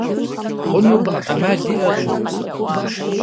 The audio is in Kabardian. Xhunukhım, 'emal yi'ekhım.